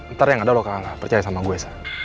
ntar yang ada lo kagak kagak percaya sama gue sa